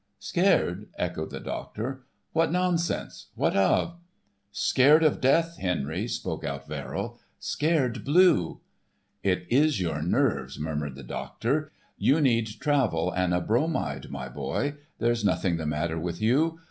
"Scared," echoed the doctor, "What nonsense! What of?" "Scared of death, Henry," broke out Verrill, "scared blue!" "It is your nerves," murmured the doctor. "You need travel and a bromide, my boy. There's nothing the matter with you.